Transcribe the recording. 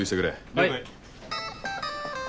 了解。